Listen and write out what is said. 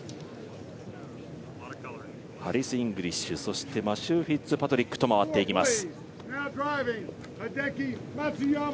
ハリス・イングリッシュ、そしてマシュー・フィッツパトリックと回っていきます。